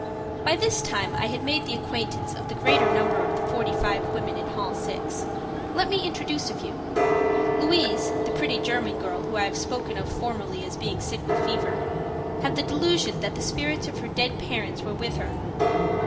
BY this time I had made the acquaintance of the greater number of the forty five women in hall 6. Let me introduce a few. Louise, the pretty German girl who I have spoken of formerly as being sick with fever, had the delusion that the spirits of her dead parents were with her.